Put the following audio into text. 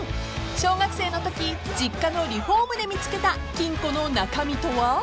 ［小学生のとき実家のリフォームで見つけた金庫の中身とは？］